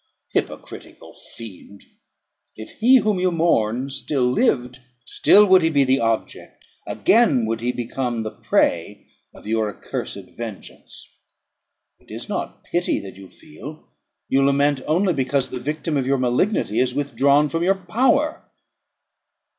Hypocritical fiend! if he whom you mourn still lived, still would he be the object, again would he become the prey, of your accursed vengeance. It is not pity that you feel; you lament only because the victim of your malignity is withdrawn from your power."